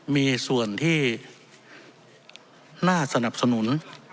มีส่วนที่น่าสนับสนุน